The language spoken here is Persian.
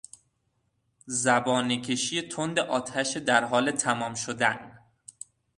زبانهکشی تند آتش در حال تمام شدن